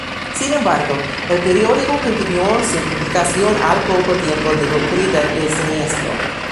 Sin embargo, el periódico continuó su publicación al poco tiempo de ocurrido el siniestro.